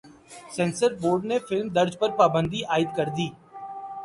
censor board نے film درج پر پابندی عائد کر دی